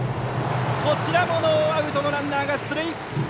こちらもノーアウトのランナーが出塁！